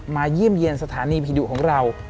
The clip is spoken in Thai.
เยี่ยมเยี่ยมสถานีผีดุของเรา